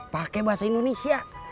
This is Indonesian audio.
pakai bahasa indonesia